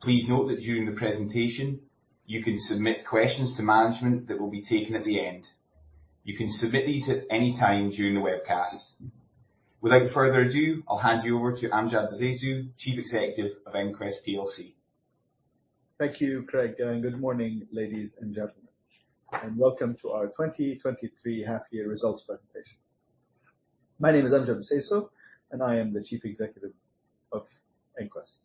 Please note that during the presentation, you can submit questions to management that will be taken at the end. You can submit these at any time during the webcast. Without further ado, I'll hand you over to Amjad Bseisu, Chief Executive of EnQuest PLC. Thank you, Craig, and good morning, ladies and gentlemen, and welcome to our 2023 half year results presentation. My name is Amjad Bseisu, and I am the Chief Executive of EnQuest.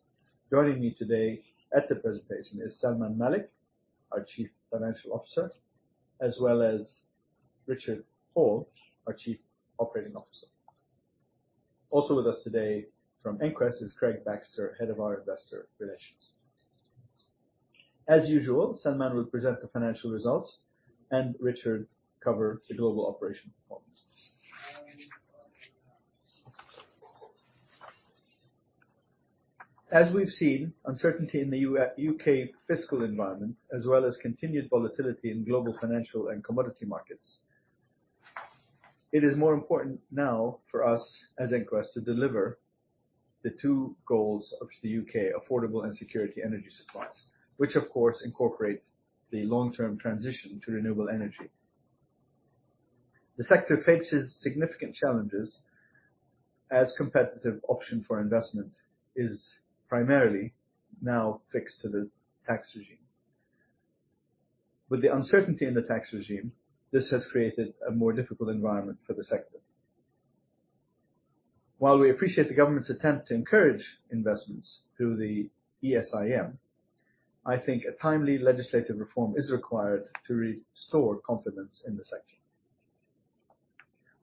Joining me today at the presentation is Salman Malik, our Chief Financial Officer, as well as Richard Hall, our Chief Operating Officer. Also with us today from EnQuest is Craig Baxter, Head of our Investor Relations. As usual, Salman will present the financial results and Richard cover the global operation performance. As we've seen, uncertainty in the U.K. fiscal environment, as well as continued volatility in global financial and commodity markets, it is more important now for us as EnQuest to deliver the two goals of the U.K.: affordable and security energy supplies, which of course, incorporate the long-term transition to renewable energy. The sector faces significant challenges as competitive option for investment is primarily now fixed to the tax regime. With the uncertainty in the tax regime, this has created a more difficult environment for the sector. While we appreciate the government's attempt to encourage investments through the ESIM, I think a timely legislative reform is required to restore confidence in the sector.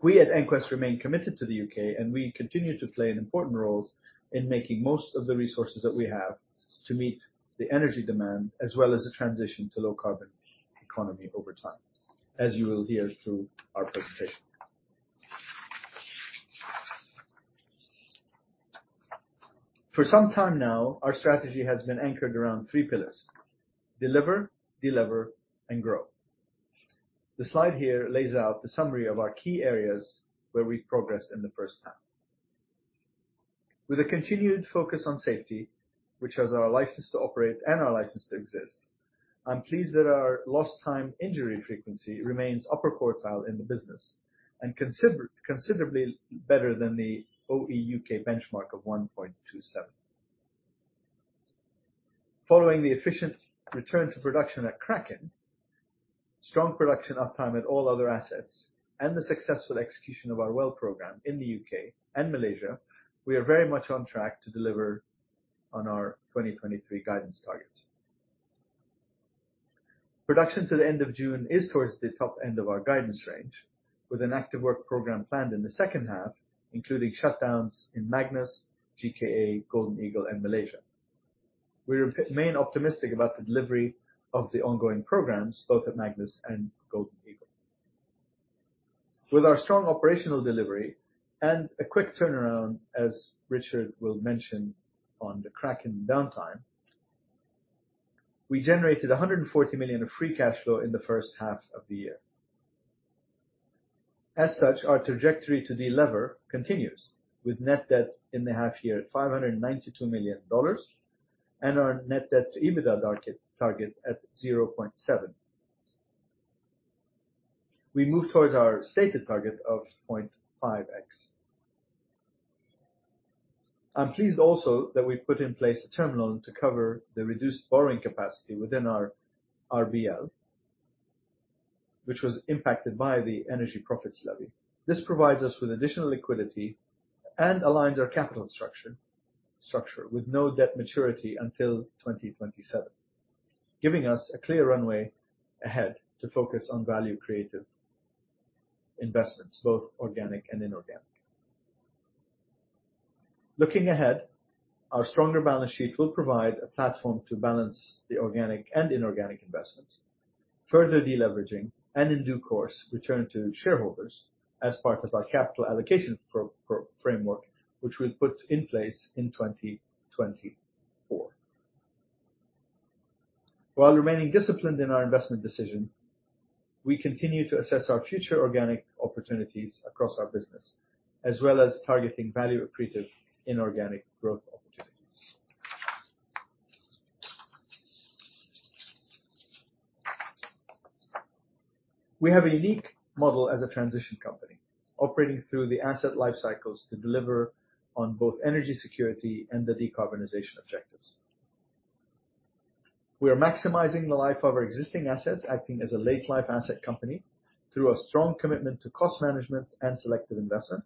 We at EnQuest remain committed to the U.K., and we continue to play an important role in making most of the resources that we have to meet the energy demand, as well as the transition to low carbon economy over time, as you will hear through our presentation. For some time now, our strategy has been anchored around three pillars: deliver, delever, and grow. The slide here lays out the summary of our key areas where we've progressed in the first half. With a continued focus on safety, which has our license to operate and our license to exist, I'm pleased that our lost time injury frequency remains upper quartile in the business and considerably better than the OEUK benchmark of 1.27. Following the efficient return to production at Kraken, strong production uptime at all other assets, and the successful execution of our well program in the U.K. and Malaysia, we are very much on track to deliver on our 2023 guidance targets. Production to the end of June is towards the top end of our guidance range, with an active work program planned in the second half, including shutdowns in Magnus, GKA, Golden Eagle, and Malaysia. We remain optimistic about the delivery of the ongoing programs, both at Magnus and Golden Eagle. With our strong operational delivery and a quick turnaround, as Richard will mention on the Kraken downtime, we generated $140 million of free cash flow in the first half of the year. As such, our trajectory to delever continues with net debt in the half year at $592 million, and our net debt to EBITDA target, target at 0.7. We move towards our stated target of 0.5x. I'm pleased also that we've put in place a term loan to cover the reduced borrowing capacity within our RBL, which was impacted by the Energy Profits Levy. This provides us with additional liquidity and aligns our capital structure, structure with no debt maturity until 2027, giving us a clear runway ahead to focus on value-creative investments, both organic and inorganic. Looking ahead, our stronger balance sheet will provide a platform to balance the organic and inorganic investments, further deleveraging, and in due course, return to shareholders as part of our capital allocation framework, which we'll put in place in 2024. While remaining disciplined in our investment decision, we continue to assess our future organic opportunities across our business, as well as targeting value accretive inorganic growth opportunities. We have a unique model as a transition company, operating through the asset life cycles to deliver on both energy security and the decarbonization objectives. We are maximizing the life of our existing assets, acting as a late-life asset company through a strong commitment to cost management and selective investment.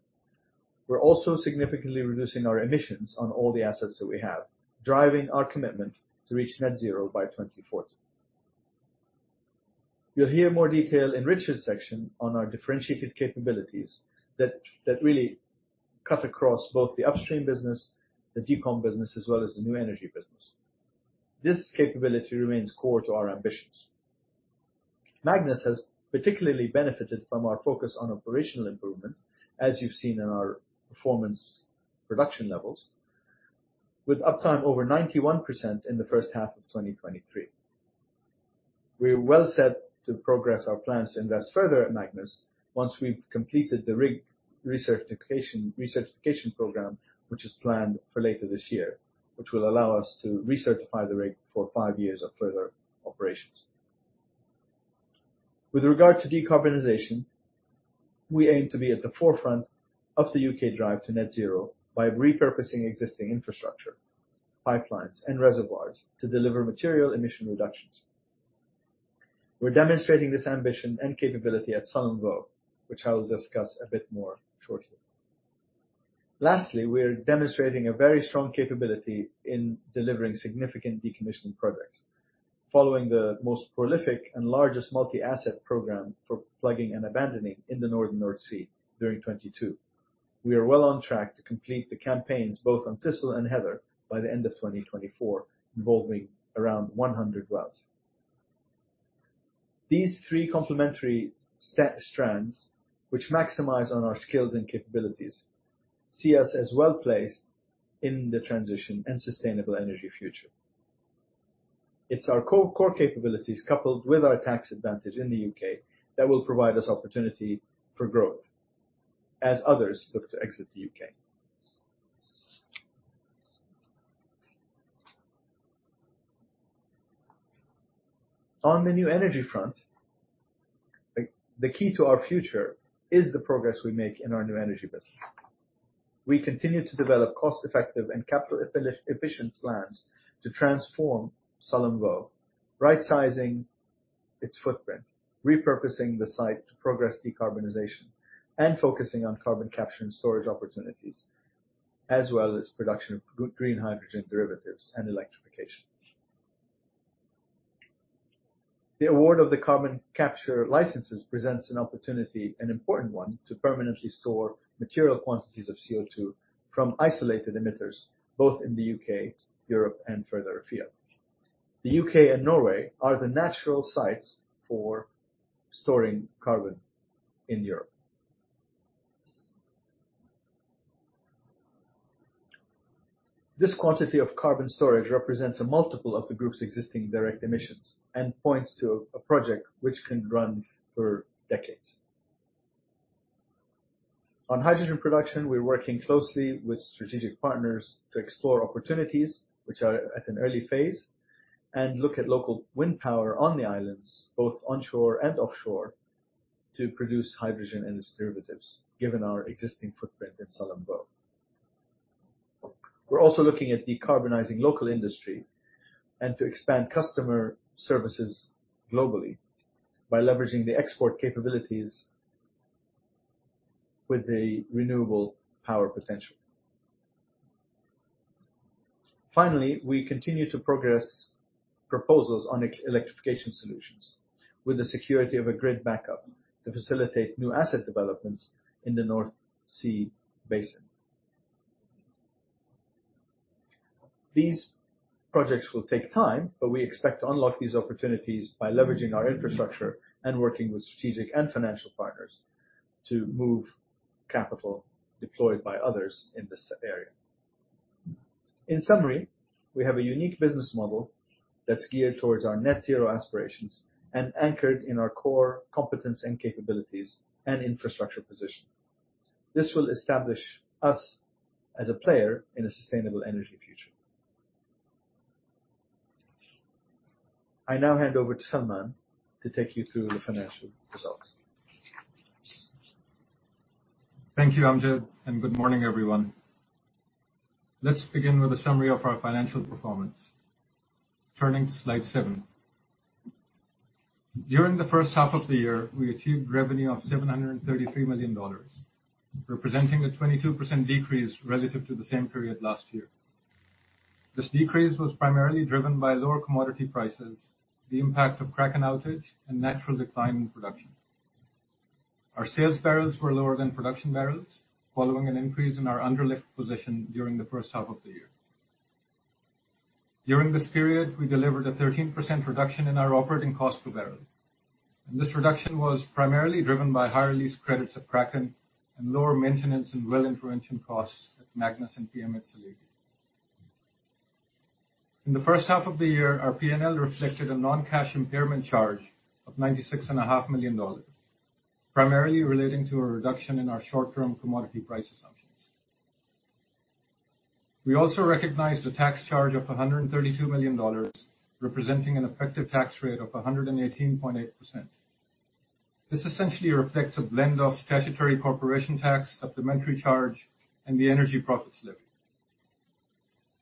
We're also significantly reducing our emissions on all the assets that we have, driving our commitment to reach net zero by 2040. You'll hear more detail in Richard's section on our differentiated capabilities that really cut across both the upstream business, the decom business, as well as the new energy business. This capability remains core to our ambitions. Magnus has particularly benefited from our focus on operational improvement, as you've seen in our performance production levels, with uptime over 91% in the first half of 2023. We're well set to progress our plans to invest further in Magnus once we've completed the rig recertification program, which is planned for later this year, which will allow us to recertify the rig for five years of further operations. With regard to decarbonization, we aim to be at the forefront of the U.K. drive to net zero by repurposing existing infrastructure, pipelines, and reservoirs to deliver material emission reductions. We're demonstrating this ambition and capability at Sullom Voe, which I will discuss a bit more shortly. Lastly, we are demonstrating a very strong capability in delivering significant decommissioning projects. Following the most prolific and largest multi-asset program for plugging and abandoning in the northern North Sea during 2022. We are well on track to complete the campaigns, both on Thistle and Heather, by the end of 2024, involving around 100 wells. These three complementary set of strands, which maximize on our skills and capabilities, see us as well-placed in the transition and sustainable energy future. It's our core capabilities, coupled with our tax advantage in the U.K., that will provide us opportunity for growth as others look to exit the U.K. On the new energy front, the key to our future is the progress we make in our new energy business. We continue to develop cost-effective and capital efficient plans to transform Sullom Voe, right-sizing its footprint, repurposing the site to progress decarbonization, and focusing on carbon capture and storage opportunities, as well as production of green hydrogen derivatives and electrification. The award of the carbon capture licenses presents an opportunity, an important one, to permanently store material quantities of CO2 from isolated emitters, both in the U.K., Europe, and further afield. The U.K. and Norway are the natural sites for storing carbon in Europe. This quantity of carbon storage represents a multiple of the group's existing direct emissions and points to a project which can run for decades. On hydrogen production, we're working closely with strategic partners to explore opportunities which are at an early phase, and look at local wind power on the islands, both onshore and offshore, to produce hydrogen and its derivatives, given our existing footprint in Sullom Voe. We're also looking at decarbonizing local industry and to expand customer services globally by leveraging the export capabilities with the renewable power potential. Finally, we continue to progress proposals on export electrification solutions with the security of a grid backup to facilitate new asset developments in the North Sea basin. These projects will take time, but we expect to unlock these opportunities by leveraging our infrastructure and working with strategic and financial partners to move capital deployed by others in this area. In summary, we have a unique business model that's geared towards our Net Zero aspirations and anchored in our core competence and capabilities and infrastructure position. This will establish us as a player in a sustainable energy future. I now hand over to Salman to take you through the financial results. Thank you, Amjad, and good morning, everyone. Let's begin with a summary of our financial performance. Turning to slide seven. During the first half of the year, we achieved revenue of $733 million, representing a 22% decrease relative to the same period last year. This decrease was primarily driven by lower commodity prices, the impact of Kraken outage, and natural decline in production. Our sales barrels were lower than production barrels, following an increase in our underlift position during the first half of the year. During this period, we delivered a 13% reduction in our operating cost per barrel, and this reduction was primarily driven by higher lease credits at Kraken and lower maintenance and well intervention costs at Magnus and Sullom Voe. In the first half of the year, our PNL reflected a non-cash impairment charge of $96.5 million, primarily relating to a reduction in our short-term commodity price assumptions. We also recognized a tax charge of $132 million, representing an effective tax rate of 118.8%. This essentially reflects a blend of statutory corporation tax, supplementary charge, and the energy profits levy.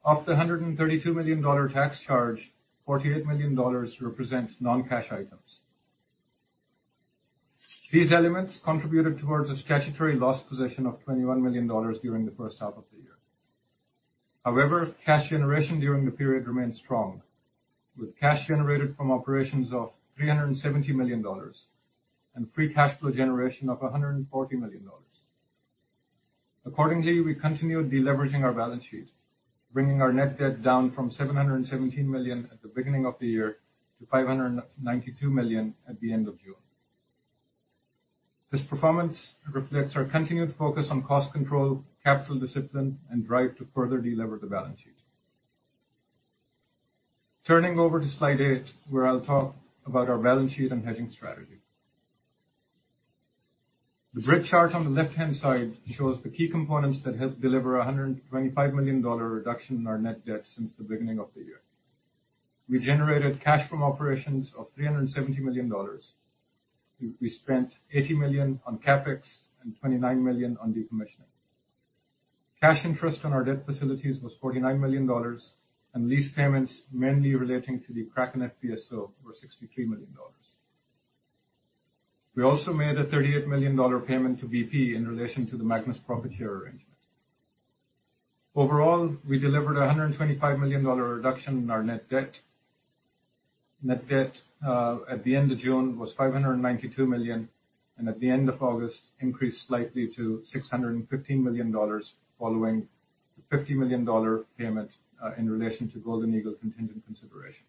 Of the $132 million tax charge, $48 million represent non-cash items. These elements contributed towards a statutory loss position of $21 million during the first half of the year. However, cash generation during the period remained strong, with cash generated from operations of $370 million and free cash flow generation of $140 million. Accordingly, we continued deleveraging our balance sheet, bringing our net debt down from $717 million at the beginning of the year to $592 million at the end of June. This performance reflects our continued focus on cost control, capital discipline, and drive to further delever the balance sheet. Turning over to slide eight, where I'll talk about our balance sheet and hedging strategy. The bridge chart on the left-hand side shows the key components that helped deliver a $125 million reduction in our net debt since the beginning of the year. We generated cash from operations of $370 million. We spent $80 million on CapEx and $29 million on decommissioning. Cash interest on our debt facilities was $49 million, and lease payments, mainly relating to the Kraken FPSO, were $63 million. We also made a $38 million payment to BP in relation to the Magnus profit share arrangement. Overall, we delivered a $125 million reduction in our net debt. Net debt at the end of June was $592 million, and at the end of August, increased slightly to $615 million, following the $50 million payment in relation to Golden Eagle contingent consideration.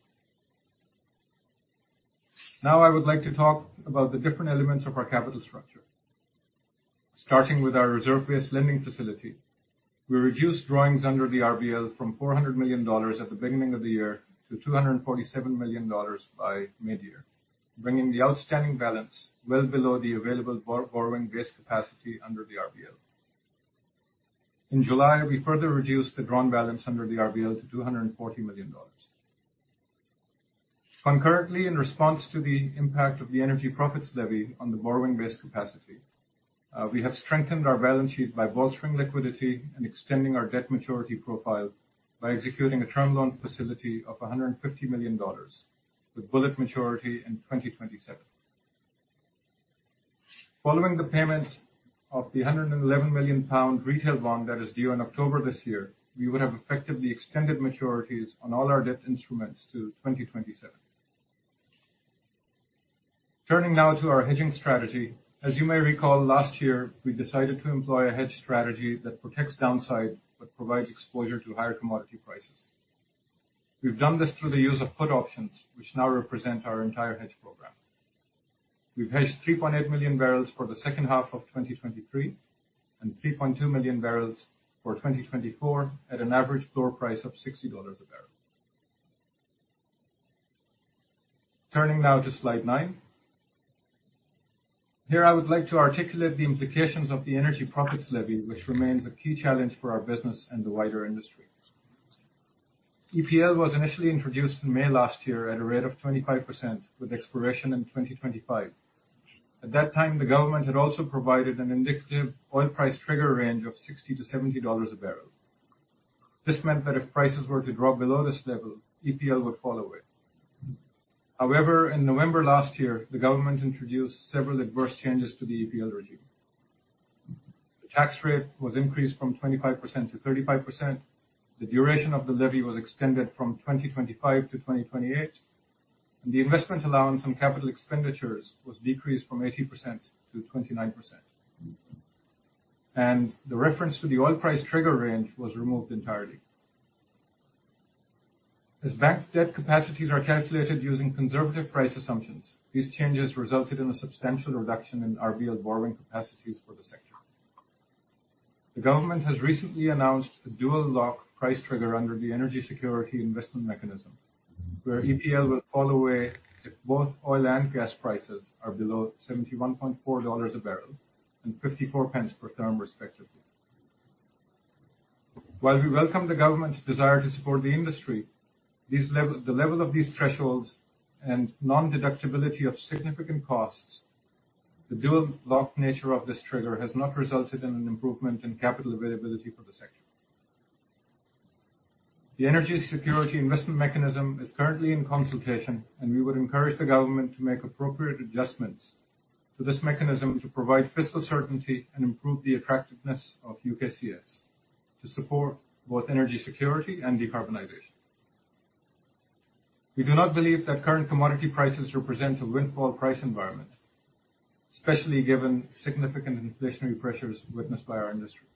Now, I would like to talk about the different elements of our capital structure. Starting with our reserve-based lending facility, we reduced drawings under the RBL from $400 million at the beginning of the year to $247 million by mid-year, bringing the outstanding balance well below the available borrowing base capacity under the RBL. In July, we further reduced the drawn balance under the RBL to $240 million. Concurrently, in response to the impact of the Energy Profits Levy on the Borrowing Base Capacity, we have strengthened our balance sheet by bolstering liquidity and extending our debt maturity profile by executing a Term Loan facility of $150 million, with bullet maturity in 2027. Following the payment of the £111 million retail bond that is due in October this year, we would have effectively extended maturities on all our debt instruments to 2027. Turning now to our hedging strategy. As you may recall, last year, we decided to employ a hedge strategy that protects downside, but provides exposure to higher commodity prices. We've done this through the use of put options, which now represent our entire hedge program. We've hedged 3.8 million barrels for the second half of 2023, and 3.2 million barrels for 2024, at an average floor price of $60 a barrel. Turning now to slide nine. Here, I would like to articulate the implications of the energy profits levy, which remains a key challenge for our business and the wider industry. EPL was initially introduced in May last year at a rate of 25%, with expiration in 2025. At that time, the government had also provided an indicative oil price trigger range of $60-$70 a barrel. This meant that if prices were to drop below this level, EPL would follow it. However, in November last year, the government introduced several adverse changes to the EPL regime. The tax rate was increased from 25%-35%, the duration of the levy was extended from 2025 to 2028, and the investment allowance on capital expenditures was decreased from 80%-29%. The reference to the oil price trigger range was removed entirely. As bank debt capacities are calculated using conservative price assumptions, these changes resulted in a substantial reduction in RBL borrowing capacities for the sector. The government has recently announced a dual lock price trigger under the Energy Security Investment Mechanism, where EPL will fall away if both oil and gas prices are below $71.4 a barrel and 54 pence per therm, respectively. While we welcome the government's desire to support the industry, these level... The level of these thresholds and non-deductibility of significant costs, the dual lock nature of this trigger has not resulted in an improvement in capital availability for the sector. The Energy Security Investment Mechanism is currently in consultation, and we would encourage the government to make appropriate adjustments to this mechanism to provide fiscal certainty and improve the attractiveness of UKCS to support both energy security and decarbonization. We do not believe that current commodity prices represent a windfall price environment, especially given significant inflationary pressures witnessed by our industry.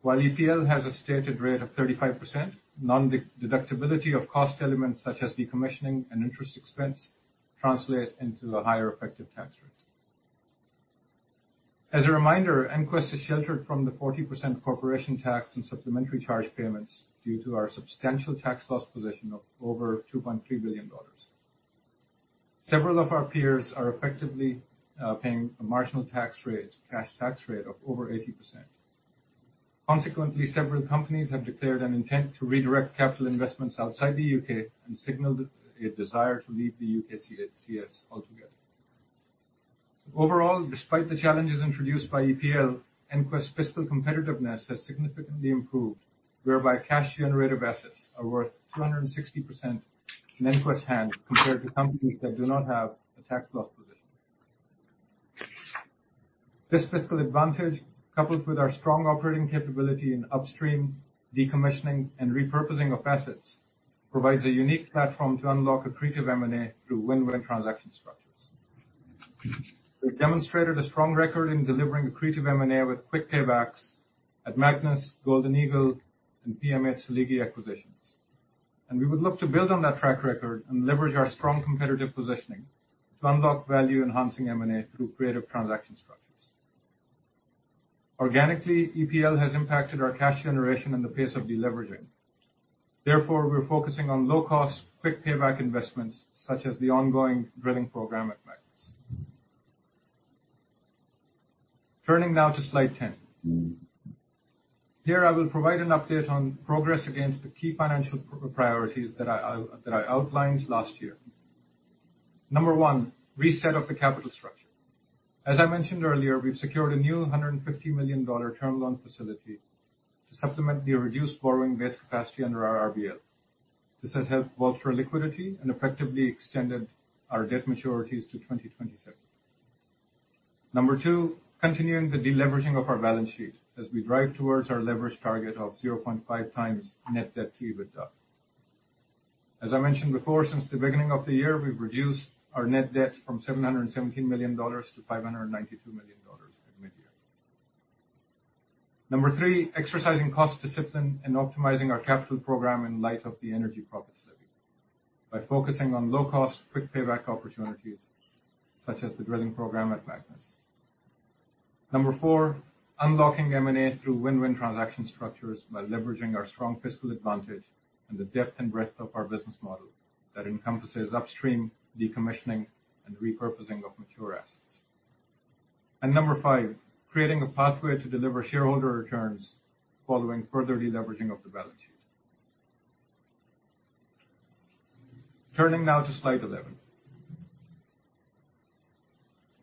While EPL has a stated rate of 35%, non-deductibility of cost elements such as decommissioning and interest expense translate into a higher effective tax rate. As a reminder, EnQuest is sheltered from the 40% corporation tax and supplementary charge payments due to our substantial tax loss position of over $2.3 billion. Several of our peers are effectively paying a marginal tax rate, cash tax rate of over 80%. Consequently, several companies have declared an intent to redirect capital investments outside the U.K. and signaled a desire to leave the UKCS altogether. Overall, despite the challenges introduced by EPL, EnQuest's fiscal competitiveness has significantly improved, whereby cash generator assets are worth 260% in EnQuest's hand compared to companies that do not have a tax loss position. This fiscal advantage, coupled with our strong operating capability in upstream, decommissioning, and repurposing of assets, provides a unique platform to unlock accretive M&A through win-win transaction structures. We've demonstrated a strong record in delivering accretive M&A with quick paybacks at Magnus, Golden Eagle, and PM8/Seligi acquisitions. And we would look to build on that track record and leverage our strong competitive positioning to unlock value-enhancing M&A through creative transaction structures. Organically, EPL has impacted our cash generation and the pace of deleveraging. Therefore, we're focusing on low-cost, quick payback investments such as the ongoing drilling program at Magnus. Turning now to slide 10. Here, I will provide an update on progress against the key financial priorities that I outlined last year. Number one, reset of the capital structure. As I mentioned earlier, we've secured a new $150 million term loan facility to supplement the reduced borrowing base capacity under our RBL. This has helped both our liquidity and effectively extended our debt maturities to 2027. Number two, continuing the deleveraging of our balance sheet as we drive towards our leverage target of 0.5x net debt to EBITDA. As I mentioned before, since the beginning of the year, we've reduced our net debt from $717 million-$592 million at mid-year. Number three, exercising cost discipline and optimizing our capital program in light of the Energy Profits Levy by focusing on low-cost, quick payback opportunities such as the drilling program at Magnus. Number four, unlocking M&A through win-win transaction structures by leveraging our strong fiscal advantage and the depth and breadth of our business model that encompasses upstream decommissioning and repurposing of mature assets. Number five, creating a pathway to deliver shareholder returns following further deleveraging of the balance sheet. Turning now to slide 11.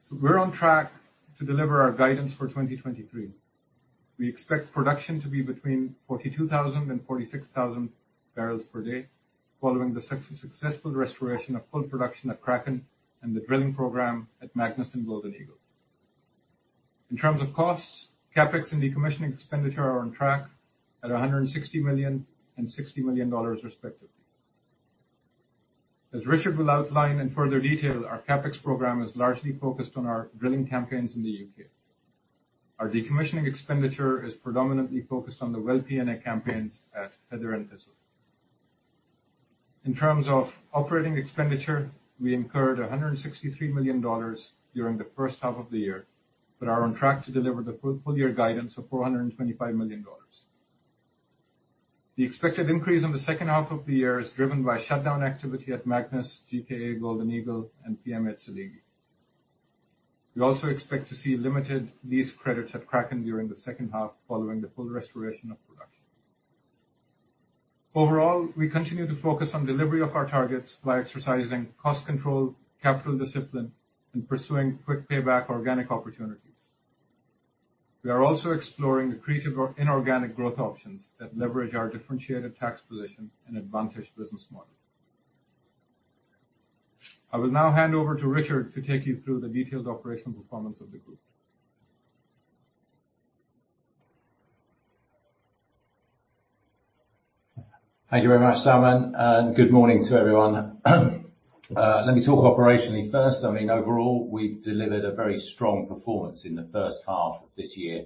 So we're on track to deliver our guidance for 2023. We expect production to be between 42,000-46,000 barrels per day, following the successful restoration of full production at Kraken and the drilling program at Magnus and Golden Eagle. In terms of costs, CapEx and decommissioning expenditure are on track at $160 million and $60 million, respectively. As Richard will outline in further detail, our CapEx program is largely focused on our drilling campaigns in the U.K. Our decommissioning expenditure is predominantly focused on the well P&A campaigns at Heather and Thistle. In terms of operating expenditure, we incurred $163 million during the first half of the year, but are on track to deliver the full year guidance of $425 million. The expected increase in the second half of the year is driven by shutdown activity at Magnus, GKA, Golden Eagle, and PM8 at Seligi. We also expect to see limited lease credits at Kraken during the second half, following the full restoration of production. Overall, we continue to focus on delivery of our targets by exercising cost control, capital discipline, and pursuing quick payback organic opportunities. We are also exploring the creative or inorganic growth options that leverage our differentiated tax position and advantage business model. I will now hand over to Richard to take you through the detailed operational performance of the group. Thank you very much, Salman, and good morning to everyone. Let me talk operationally first. I mean, overall, we delivered a very strong performance in the first half of this year,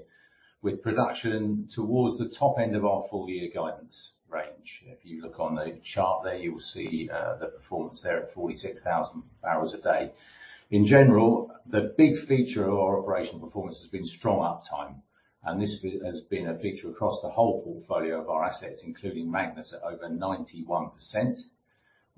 with production towards the top end of our full year guidance range. If you look on the chart there, you will see the performance there at 46,000 barrels a day. In general, the big feature of our operational performance has been strong uptime, and this has been a feature across the whole portfolio of our assets, including Magnus, at over 91%,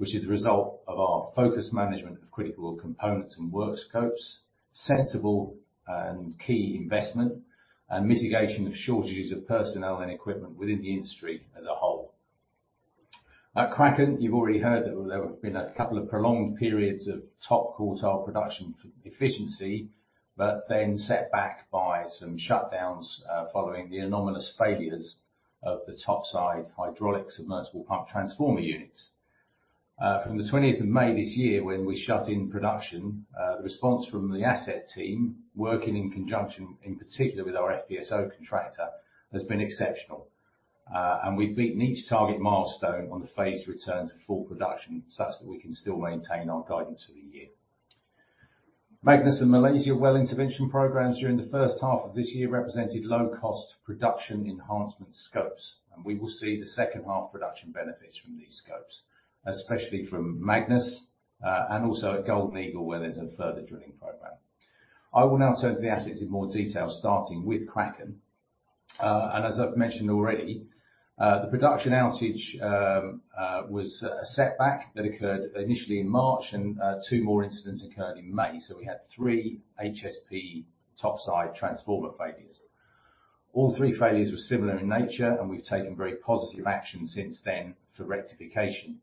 which is the result of our focused management of critical components and work scopes, sensible and key investment, and mitigation of shortages of personnel and equipment within the industry as a whole. At Kraken, you've already heard that there have been a couple of prolonged periods of top quartile production efficiency, but then set back by some shutdowns, following the anomalous failures of the topside hydraulics submersible pump transformer units. From the twentieth of May this year, when we shut in production, the response from the asset team, working in conjunction, in particular with our FPSO contractor, has been exceptional. We've beaten each target milestone on the phased return to full production, such that we can still maintain our guidance for the year. Magnus and Malaysia well intervention programs during the first half of this year represented low-cost production enhancement scopes, and we will see the second half production benefits from these scopes, especially from Magnus, and also at Golden Eagle, where there's a further drilling program. I will now turn to the assets in more detail, starting with Kraken. As I've mentioned already, the production outage was a setback that occurred initially in March, and two more incidents occurred in May. We had three HSP topside transformer failures. All three failures were similar in nature, and we've taken very positive action since then for rectification.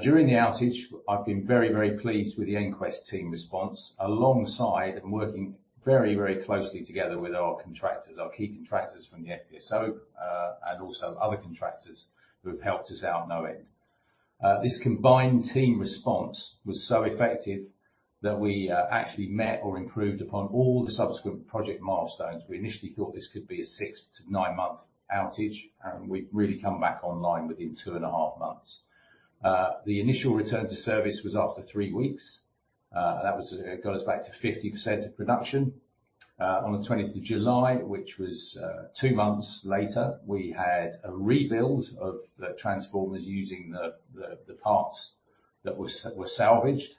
During the outage, I've been very, very pleased with the EnQuest team response, alongside and working very, very closely together with our contractors, our key contractors from the FPSO, and also other contractors who have helped us out no end. This combined team response was so effective that we actually met or improved upon all the subsequent project milestones. We initially thought this could be a six to nine month outage, and we've really come back online within 2.5 months. The initial return to service was after three weeks. That was, it goes back to 50% of production. On the 20th of July, which was two months later, we had a rebuild of the transformers using the parts that were salvaged,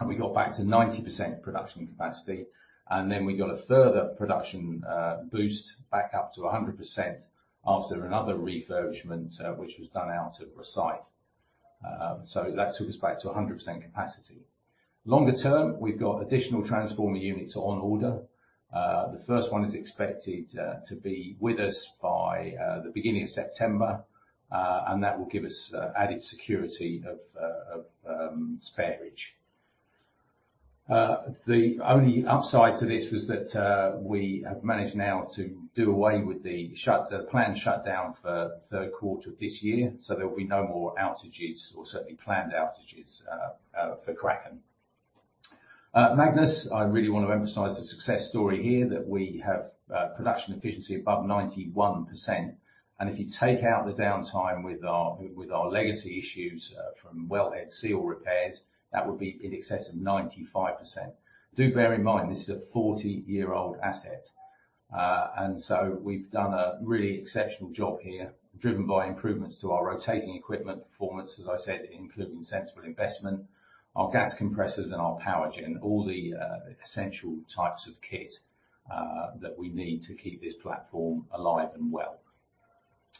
and we got back to 90% production capacity. And then we got a further production boost back up to 100% after another refurbishment, which was done out at precise. So that took us back to 100% capacity. Longer term, we've got additional transformer units on order. The first one is expected to be with us by the beginning of September, and that will give us added security of spares. The only upside to this was that we have managed now to do away with the planned shutdown for third quarter of this year, so there will be no more outages, or certainly planned outages, for Kraken. Magnus, I really want to emphasize the success story here, that we have production efficiency above 91%, and if you take out the downtime with our legacy issues from wellhead seal repairs, that would be in excess of 95%. Do bear in mind, this is a 40-year-old asset, and so we've done a really exceptional job here, driven by improvements to our rotating equipment performance, as I said, including sensible investment, our gas compressors and our power gen, all the essential types of kit that we need to keep this platform alive and well.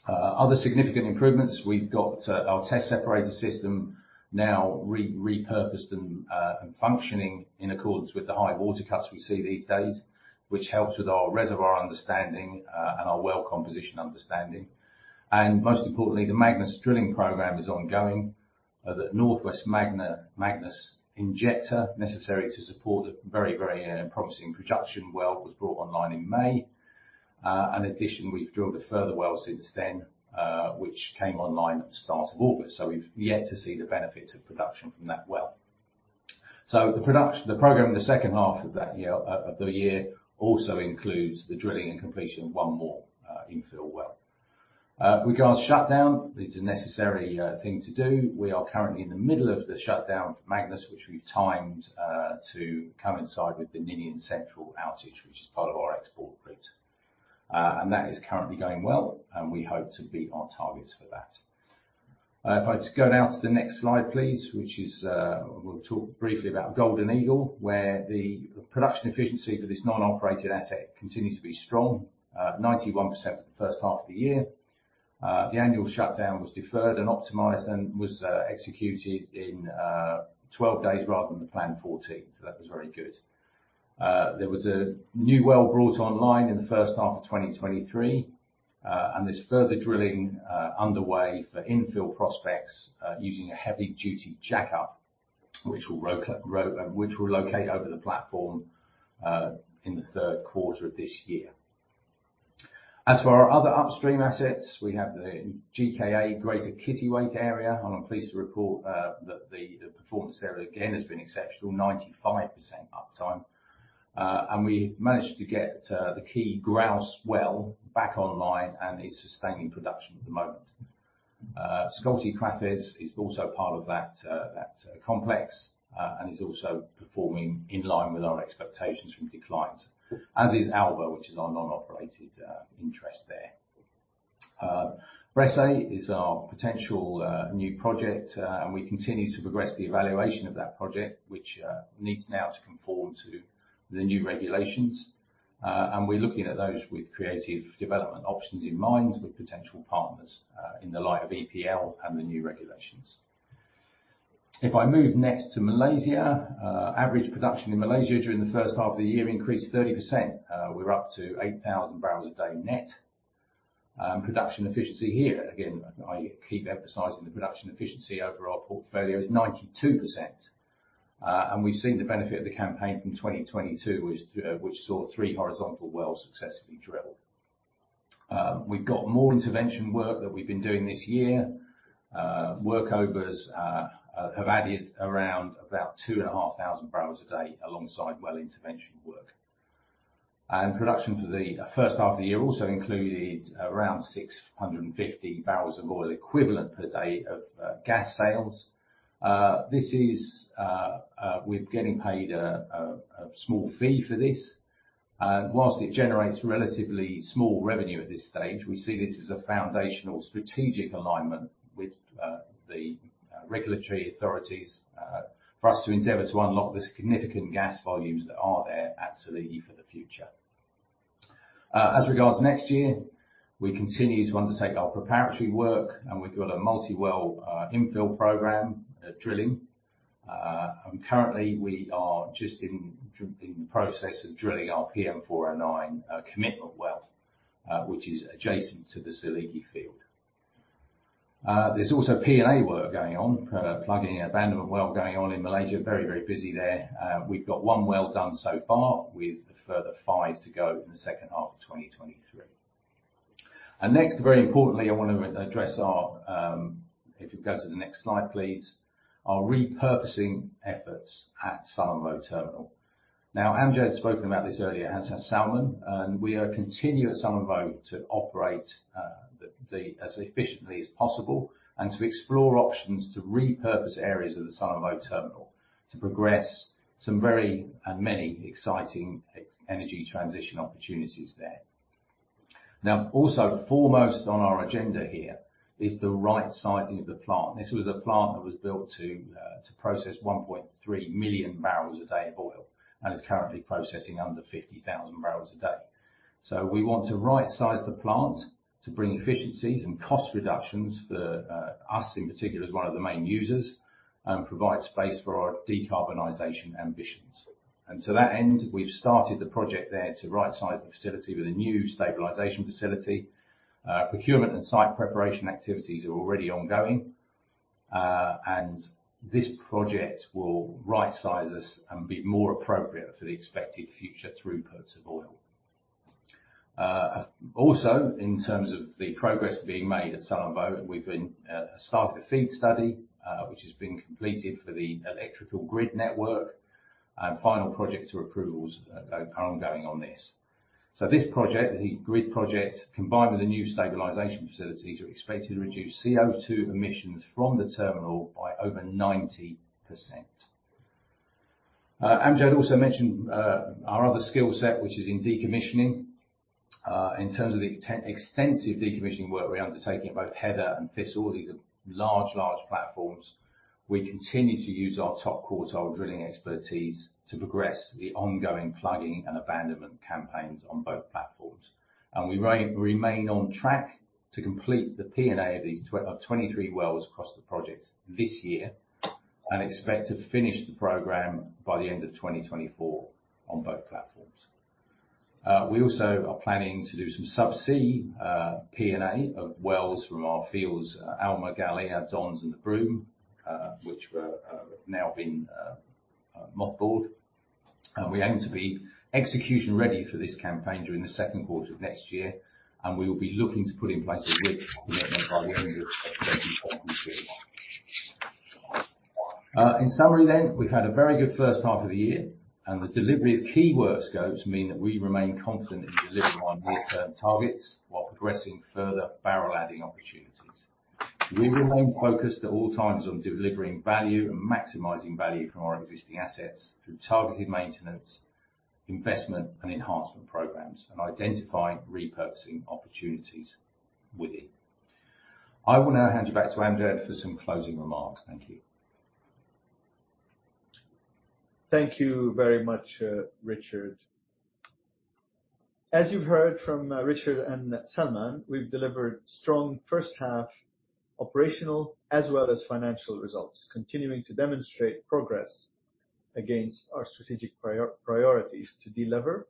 Other significant improvements, we've got our test separator system now repurposed and functioning in accordance with the high water cuts we see these days, which helps with our reservoir understanding and our well composition understanding. And most importantly, the Magnus Drilling program is ongoing. The Northwest Magnus Injector, necessary to support a very, very promising production well, was brought online in May. In addition, we've drilled a further well since then, which came online at the start of August, so we've yet to see the benefits of production from that well. So the production, the program in the second half of that year, of the year, also includes the drilling and completion of one more infill well. Regarding shutdown, it's a necessary thing to do. We are currently in the middle of the shutdown for Magnus, which we've timed to coincide with the Ninian Central outage, which is part of our export route. And that is currently going well, and we hope to beat our targets for that. If I just go now to the next slide, please, which is... We'll talk briefly about Golden Eagle, where the production efficiency for this non-operated asset continues to be strong, 91% for the first half of the year. The annual shutdown was deferred and optimized and was executed in 12 days rather than the planned 14, so that was very good. There was a new well brought online in the first half of 2023, and there's further drilling underway for infill prospects using a heavy duty jackup, which will locate over the platform in the third quarter of this year. As for our other upstream assets, we have the GKA, Greater Kittiwake Area, and I'm pleased to report that the performance there, again, has been exceptional, 95% uptime. We managed to get the key Grouse well back online, and it's sustaining production at the moment. Scolty/Crathes is also part of that complex, and is also performing in line with our expectations from declines, as is Alba, which is our non-operated interest there. Bressay is our potential new project, and we continue to progress the evaluation of that project, which needs now to conform to the new regulations. We're looking at those with creative development options in mind, with potential partners in the light of EPL and the new regulations. If I move next to Malaysia, average production in Malaysia during the first half of the year increased 30%. We're up to 8,000 barrels a day net. Production efficiency here, again, I keep emphasizing the production efficiency over our portfolio, is 92%. And we've seen the benefit of the campaign from 2022, which saw three horizontal wells successfully drilled. We've got more intervention work that we've been doing this year. Workovers have added around about 2,500 barrels a day alongside well intervention work. And production for the first half of the year also included around 650 barrels of oil equivalent per day of gas sales. This is, we're getting paid a small fee for this. And while it generates relatively small revenue at this stage, we see this as a foundational strategic alignment with the regulatory authorities for us to endeavor to unlock the significant gas volumes that are there at Seligi for the future. As regards next year, we continue to undertake our preparatory work, and we've got a multi-well infill program drilling. And currently, we are just in the process of drilling our PM409 commitment well, which is adjacent to the Seligi field. There's also P&A work going on, plugging and abandonment well going on in Malaysia. Very, very busy there. We've got one well done so far, with a further five to go in the second half of 2023. And next, very importantly, I want to address our... If you go to the next slide, please, our repurposing efforts at Sullom Voe Terminal. Now, Amjad had spoken about this earlier, as has Salman, and we are continuing at Sullom Voe to operate as efficiently as possible and to explore options to repurpose areas of the Sullom Voe Terminal to progress some very many exciting energy transition opportunities there. Now, also foremost on our agenda here is the right sizing of the plant. This was a plant that was built to process 1.3 million barrels a day of oil, and is currently processing under 50,000 barrels a day. So we want to right-size the plant to bring efficiencies and cost reductions for us, in particular, as one of the main users, and provide space for our decarbonization ambitions. To that end, we've started the project there to right-size the facility with a new stabilization facility. Procurement and site preparation activities are already ongoing, and this project will right-size us and be more appropriate for the expected future throughputs of oil. Also, in terms of the progress being made at Sullom Voe, we've started a FEED study, which is being completed for the electrical grid network and final project approvals are ongoing on this. This project, the grid project, combined with the new stabilization facilities, are expected to reduce CO2 emissions from the terminal by over 90%. Amjad also mentioned our other skill set, which is in decommissioning. In terms of the extensive decommissioning work we're undertaking at both Heather and Thistle, these are large, large platforms. We continue to use our top-quartile drilling expertise to progress the ongoing plugging and abandonment campaigns on both platforms. We remain on track to complete the P&A of these 23 wells across the projects this year, and expect to finish the program by the end of 2024 on both platforms. We also are planning to do some subsea P&A of wells from our fields, Alma, Galia, Dons, and the Broom, which were now been mothballed. We aim to be execution ready for this campaign during the second quarter of next year, and we will be looking to put in place a rig by the end of 2022. In summary then, we've had a very good first half of the year, and the delivery of key work scopes mean that we remain confident in delivering on more term targets while progressing further barrel-adding opportunities. We remain focused at all times on delivering value and maximizing value from our existing assets through targeted maintenance, investment, and enhancement programs, and identifying repurposing opportunities with it. I will now hand you back to Amjad for some closing remarks. Thank you. Thank you very much, Richard. As you've heard from Richard and Salman, we've delivered strong first half operational as well as financial results, continuing to demonstrate progress against our strategic priorities to delever,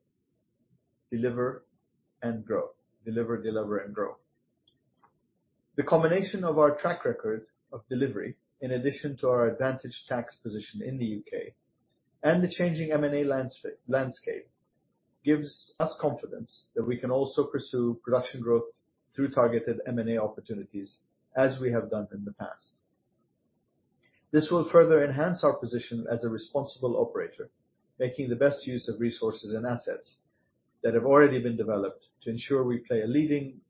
deliver, and grow. Deliver, deliver, and grow. The combination of our track record of delivery, in addition to our advantage tax position in the U.K. and the changing M&A landscape, gives us confidence that we can also pursue production growth through targeted M&A opportunities, as we have done in the past. This will further enhance our position as a responsible operator, making the best use of resources and assets that have already been developed to ensure we play a leading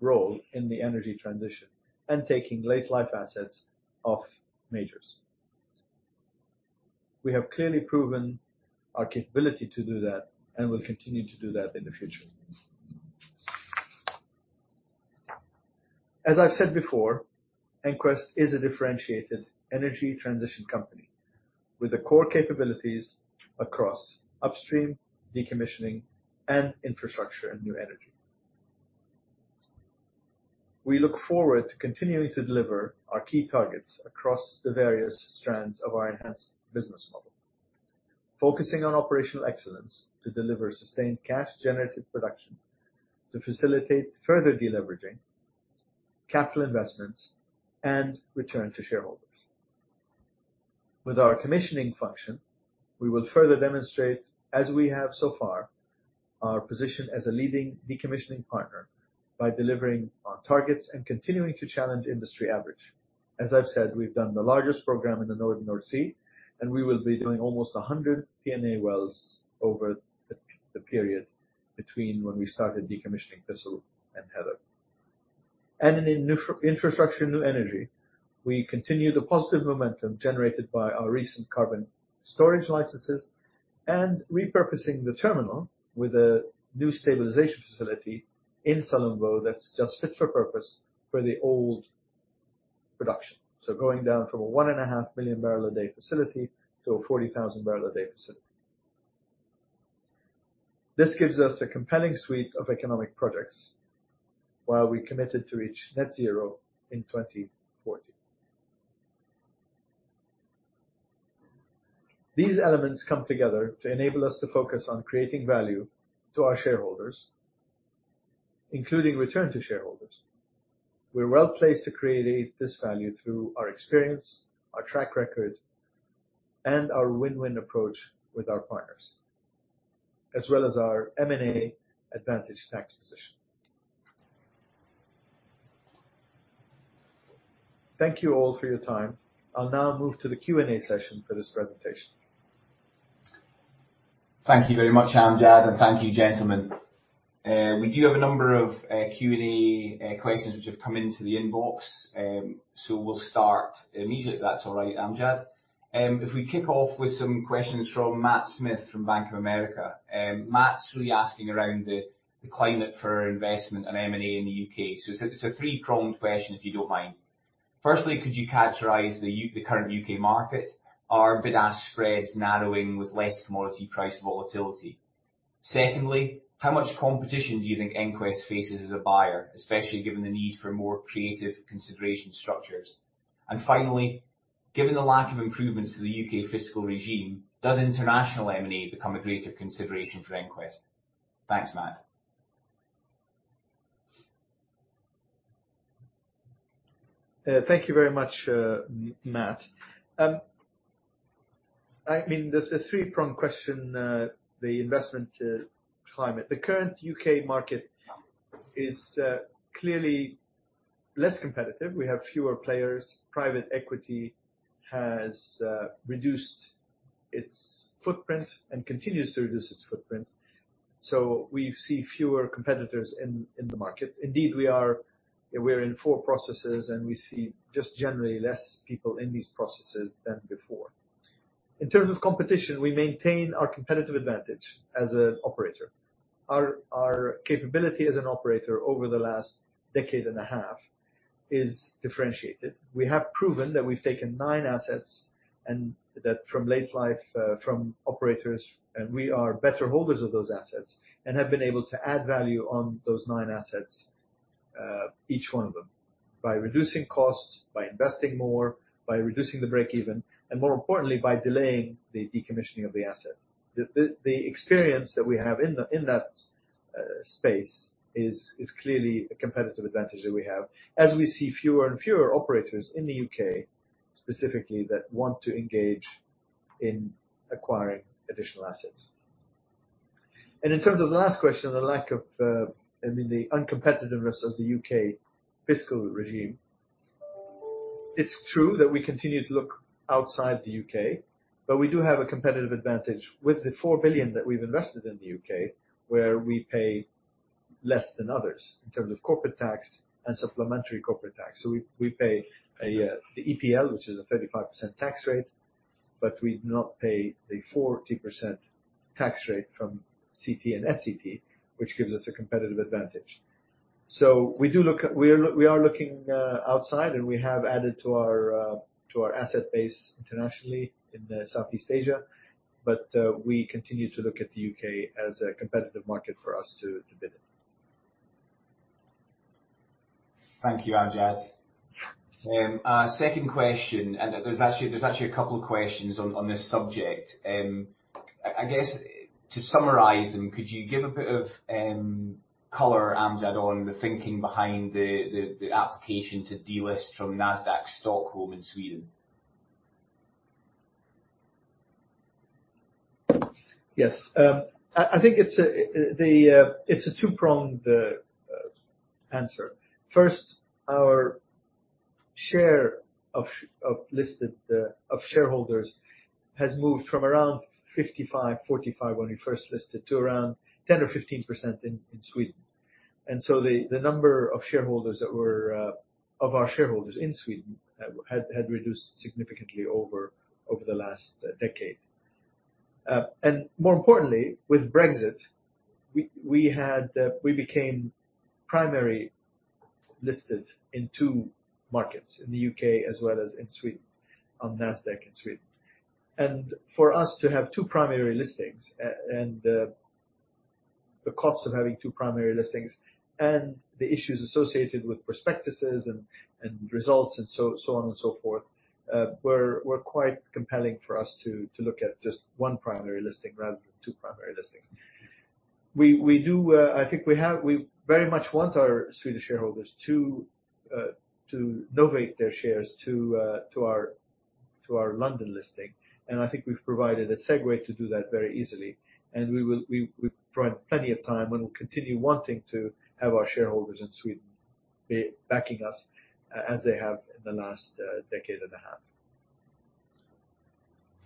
role in the energy transition and taking late life assets off majors. We have clearly proven our capability to do that and will continue to do that in the future. As I've said before, EnQuest is a differentiated energy transition company with the core capabilities across upstream, decommissioning, and infrastructure and new energy. We look forward to continuing to deliver our key targets across the various strands of our enhanced business model. Focusing on operational excellence to deliver sustained cash generative production, to facilitate further deleveraging, capital investments, and return to shareholders. With our decommissioning function, we will further demonstrate, as we have so far, our position as a leading decommissioning partner by delivering on targets and continuing to challenge industry average. As I've said, we've done the largest program in the Northern North Sea, and we will be doing almost 100 P&A wells over the period between when we started decommissioning Thistle and Heather. In infrastructure new energy, we continue the positive momentum generated by our recent carbon storage licenses and repurposing the terminal with a new stabilization facility in Sullom Voe that's just fit for purpose for the old production. Going down from a 1.5 million barrel a day facility to a 40,000 barrel a day facility. This gives us a compelling suite of economic projects, while we're committed to reach net zero in 2040. These elements come together to enable us to focus on creating value to our shareholders, including return to shareholders. We're well-placed to create this value through our experience, our track record, and our win-win approach with our partners, as well as our M&A advantage tax position. Thank you all for your time. I'll now move to the Q&A session for this presentation. Thank you very much, Amjad, and thank you, gentlemen. We do have a number of Q&A questions which have come into the inbox, so we'll start immediately, if that's all right, Amjad? If we kick off with some questions from Matt Smith from Bank of America. Matt's really asking around the climate for investment and M&A in the U.K. So it's a three-pronged question, if you don't mind. Firstly, could you characterize the current U.K. market? Are bid-ask spreads narrowing with less commodity price volatility? Secondly, how much competition do you think EnQuest faces as a buyer, especially given the need for more creative consideration structures? And finally, given the lack of improvements to the U.K. fiscal regime, does international M&A become a greater consideration for EnQuest? Thanks, Matt. Thank you very much, Matt. I mean, the three-prong question, the investment climate. The current UK market is clearly less competitive. We have fewer players. Private equity has reduced its footprint and continues to reduce its footprint, so we see fewer competitors in the market. Indeed, we're in four processes, and we see just generally less people in these processes than before. In terms of competition, we maintain our competitive advantage as an operator. Our capability as an operator over the last decade and a half is differentiated. We have proven that we've taken nine assets and that from late life, from operators, and we are better holders of those assets and have been able to add value on those nine assets, each one of them, by reducing costs, by investing more, by reducing the break-even, and more importantly, by delaying the decommissioning of the asset. The experience that we have in that space is clearly a competitive advantage that we have as we see fewer and fewer operators in the U.K., specifically that want to engage in acquiring additional assets. In terms of the last question, the lack of, I mean, the uncompetitiveness of the U.K. fiscal regime. It's true that we continue to look outside the U.K., but we do have a competitive advantage with the $4 billion that we've invested in the U.K., where we pay less than others in terms of corporate tax and supplementary corporate tax. So we pay the EPL, which is a 35% tax rate, but we do not pay the 40% tax rate from CT and SCT, which gives us a competitive advantage. So we do look at... We are looking outside, and we have added to our asset base internationally in the Southeast Asia, but we continue to look at the U.K. as a competitive market for us to bid in. Thank you, Amjad. Second question, and there's actually a couple of questions on this subject. I guess to summarize them, could you give a bit of color, Amjad, on the thinking behind the application to delist from Nasdaq Stockholm in Sweden? Yes. I think it's a two-pronged answer. First, our share of listed shareholders has moved from around 55-45 when we first listed, to around 10 or 15% in Sweden. And so the number of shareholders that were of our shareholders in Sweden had reduced significantly over the last decade. And more importantly, with Brexit, we became primary listed in two markets, in the U.K. as well as in Sweden, on Nasdaq, in Sweden. And for us to have two primary listings, and the cost of having two primary listings and the issues associated with prospectuses and results and so on and so forth, were quite compelling for us to look at just one primary listing rather than two primary listings. We do, I think we have. We very much want our Swedish shareholders to novate their shares to our London listing, and I think we've provided a segue to do that very easily. And we will. We've provided plenty of time, and we'll continue wanting to have our shareholders in Sweden be backing us as they have in the last decade and a half.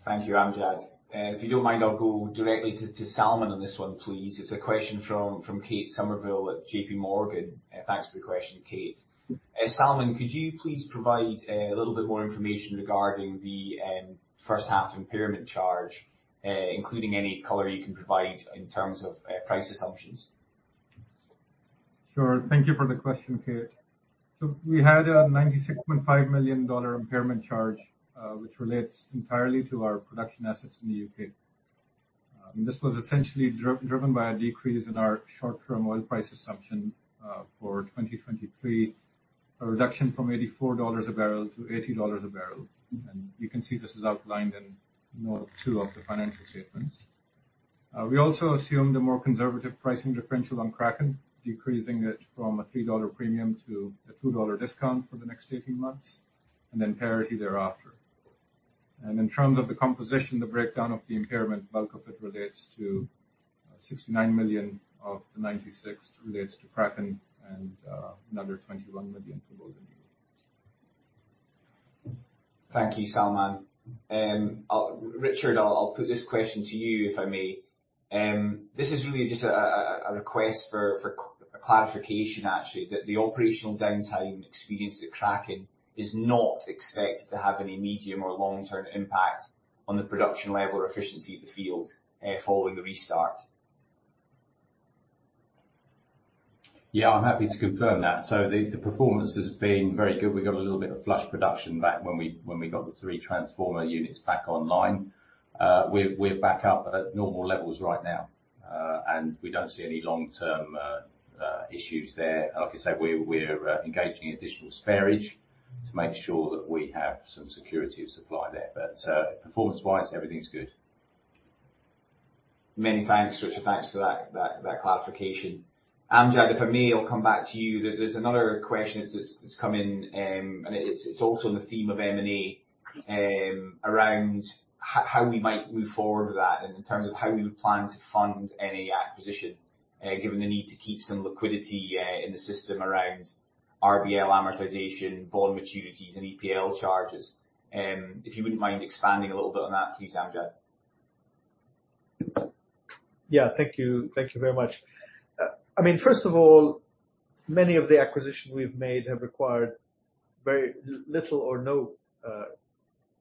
Thank you, Amjad. If you don't mind, I'll go directly to Salman on this one, please. It's a question from Kate Somerville at JPMorgan. Thanks for the question, Kate. Salman, could you please provide a little bit more information regarding the first half impairment charge, including any color you can provide in terms of price assumptions? Sure. Thank you for the question, Kate. So we had a $96.5 million impairment charge, which relates entirely to our production assets in the U.K. This was essentially driven by a decrease in our short-term oil price assumption, for 2023, a reduction from $84 a barrel-$80 a barrel. And you can see this is outlined in note 2 of the financial statements. We also assumed a more conservative pricing differential on Kraken, decreasing it from a $3 premium to a $2 discount for the next 18 months, and then parity thereafter.... And in terms of the composition, the breakdown of the impairment, bulk of it relates to $69 million of the $96 million relates to Kraken and another $21 million to Golden Eagle. Thank you, Salman. I'll put this question to you, Richard, if I may. This is really just a request for a clarification, actually, that the operational downtime experienced at Kraken is not expected to have any medium or long-term impact on the production level or efficiency of the field following the restart. Yeah, I'm happy to confirm that. So the performance has been very good. We got a little bit of flush production back when we got the three transformer units back online. We're back up at normal levels right now. And we don't see any long-term issues there. Like I said, we're engaging in additional spares to make sure that we have some security of supply there. But performance-wise, everything's good. Many thanks, Richard. Thanks for that clarification. Amjad, if I may, I'll come back to you. There's another question that's come in, and it's also on the theme of M&A, around how we might move forward with that, in terms of how we would plan to fund any acquisition, given the need to keep some liquidity in the system around RBL amortization, bond maturities, and EPL charges. If you wouldn't mind expanding a little bit on that, please, Amjad. Yeah. Thank you. Thank you very much. I mean, first of all, many of the acquisitions we've made have required very little or no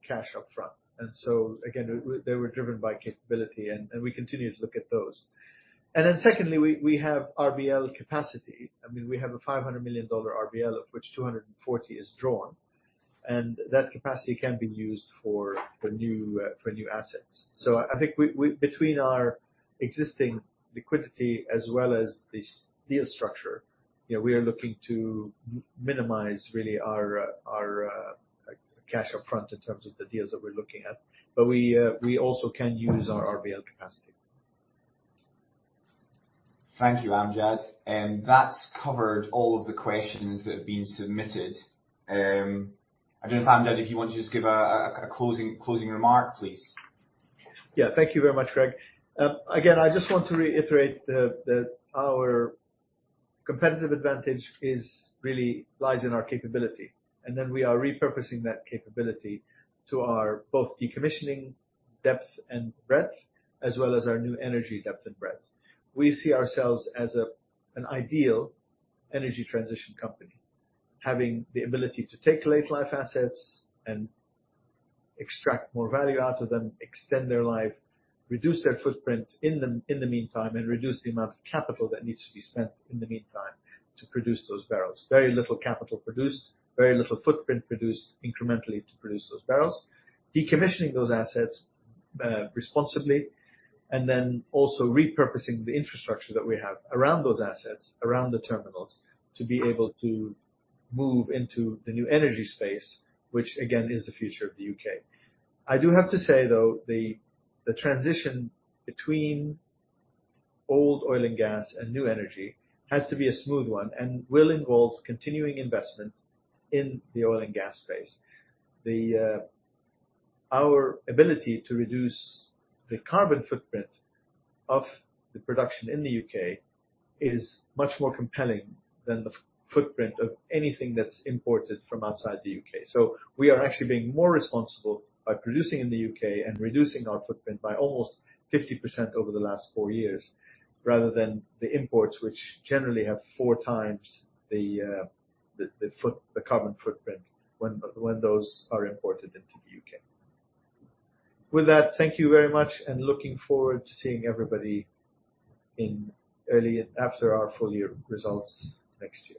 cash upfront, and so again, they were driven by capability, and we continue to look at those. And then secondly, we have RBL capacity. I mean, we have a $500 million RBL, of which $240 million is drawn, and that capacity can be used for new assets. So I think we between our existing liquidity as well as this deal structure, you know, we are looking to minimize really our cash upfront in terms of the deals that we're looking at. But we also can use our RBL capacity. Thank you, Amjad. That's covered all of the questions that have been submitted. I don't know, Amjad, if you want to just give a closing remark, please. Yeah. Thank you very much, Craig. Again, I just want to reiterate that, that our competitive advantage is really lies in our capability, and then we are repurposing that capability to our both decommissioning depth and breadth, as well as our new energy depth and breadth. We see ourselves as an ideal energy transition company, having the ability to take late life assets and extract more value out of them, extend their life, reduce their footprint in the meantime, and reduce the amount of capital that needs to be spent in the meantime to produce those barrels. Very little capital produced, very little footprint produced incrementally to produce those barrels. Decommissioning those assets responsibly, and then also repurposing the infrastructure that we have around those assets, around the terminals, to be able to move into the new energy space, which again, is the future of the U.K. I do have to say, though, the transition between old oil and gas and new energy has to be a smooth one and will involve continuing investment in the oil and gas space. Our ability to reduce the carbon footprint of the production in the U.K is much more compelling than the footprint of anything that's imported from outside the U.K. So we are actually being more responsible by producing in the U.K. and reducing our footprint by almost 50% over the last four years, rather than the imports, which generally have 4x the carbon footprint when those are imported into the U.K. With that, thank you very much, and looking forward to seeing everybody in early after our full year results next year.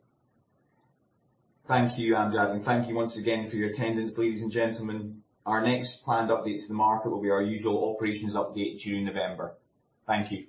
Thank you, Amjad, and thank you once again for your attendance, ladies and gentlemen. Our next planned update to the market will be our usual operations update, due in November. Thank you.